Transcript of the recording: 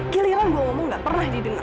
giliran saya tidak pernah didengar